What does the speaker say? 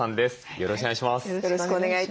よろしくお願いします。